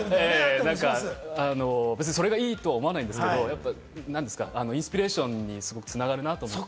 それがいいとは思わないんですけれども、インスピレーションに繋がるなと思って。